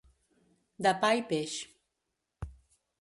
De pa i peix.